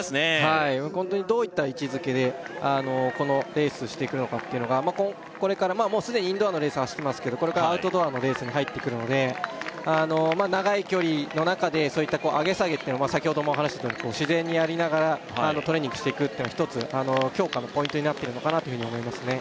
はいホントにどういった位置づけでこのレースしていくのかっていうのがこれからもうすでにインドアのレース走ってますけどこれからアウトドアのレースに入ってくるので長い距離の中でそういった上げ下げっての先ほども話したように自然にやりながらトレーニングしていくって一つ強化のポイントになってるのかなというふうに思いますね